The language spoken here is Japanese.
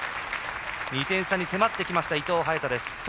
２点差に迫ってきました伊藤、早田です。